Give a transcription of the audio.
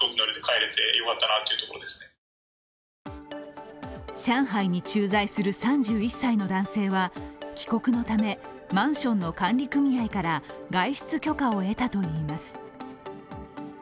上海に駐在する３１歳の男性は帰国のためマンションの管理組合から外出許可を得たといいます。